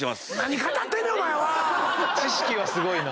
知識はすごいな。